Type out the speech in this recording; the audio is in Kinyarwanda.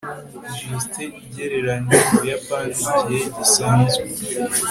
jst igereranya ubuyapani igihe gisanzwe